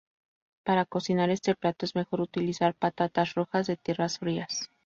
Para cocinar este plato es mejor utilizar patatas rojas de tierras frías.